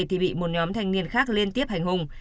thì bị một nhóm thanh niên khác liên tiếp hành hùng